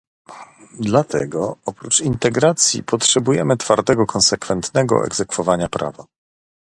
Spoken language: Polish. Dlatego, oprócz integracji potrzebujemy twardego, konsekwentnego egzekwowania prawa